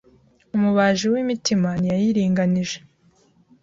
Umubaji w’imitima ntiyayiringanije,